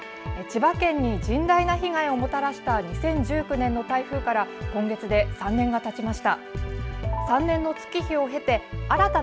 千葉県に甚大な被害をもたらした２０１９年の台風から今月で３年がたちました。